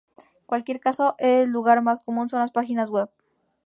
En cualquier caso, el lugar más común son las páginas web.